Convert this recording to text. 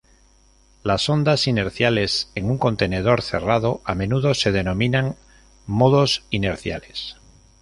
Las ondas inerciales en un contenedor cerrado a menudo se denominan modos inerciales.